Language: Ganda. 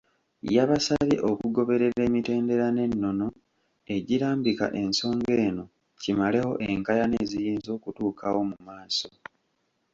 Yabasabye okugoberera emitendera n’ennono egirambika ensonga eno kimalewo enkaayana eziyinza okutuukawo mu maaso.